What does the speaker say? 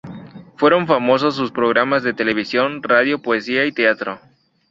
Fueron famosos sus programas de televisión, radio, poesía y teatro.